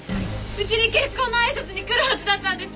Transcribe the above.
うちに結婚の挨拶に来るはずだったんです。